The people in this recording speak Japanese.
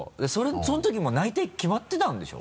その時もう内定決まってたんでしょ？